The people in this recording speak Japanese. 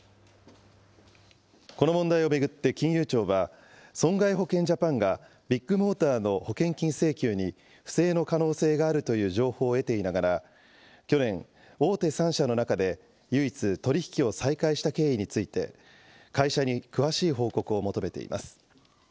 この問題を巡って金融庁は、損害保険ジャパンが、ビッグモーターの保険金請求に不正の可能性があるという情報を得ていながら、去年、大手３社の中で唯一、取り引きを再開した経緯について、会社に詳しい報告を求めています。